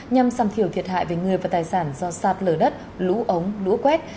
nhằm săn thiểu thiệt hại về người và tài sản do sạt lở đất lũ ống lũ quét